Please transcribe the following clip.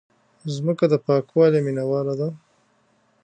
مځکه د پاکوالي مینواله ده.